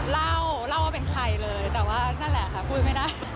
เล่าเล่าว่าเป็นใครเลยแต่ว่านั่นแหละค่ะพูดไม่ได้